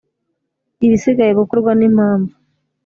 ibisigaye gukorwa n impamvu